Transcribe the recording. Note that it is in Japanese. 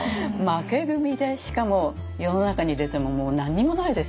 負け組でしかも世の中に出てももう何にもないですよね。